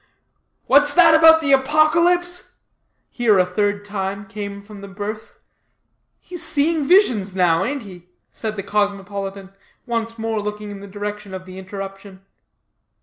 "What's that about the Apocalypse?" here, a third time, came from the berth. "He's seeing visions now, ain't he?" said the cosmopolitan, once more looking in the direction of the interruption.